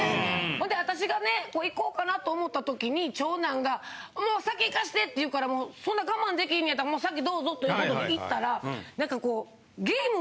ほんで私がね行こうかなと思った時に長男が「もう先行かして！」って言うからそんな我慢できひんのやったらもう先どうぞっていったらなんかこう。